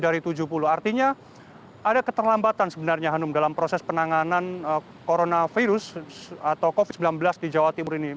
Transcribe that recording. dari tujuh puluh artinya ada keterlambatan sebenarnya dalam proses penanganan coronavirus atau covid sembilan belas di jawa timur ini